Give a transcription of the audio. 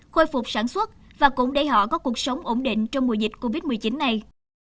khôi phục sản xuất và cũng để họ có cuộc sống ổn định trong mùa dịch covid một mươi chín này